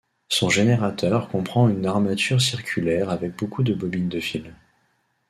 Son générateur comprend une armature circulaire avec beaucoup de bobine de fil.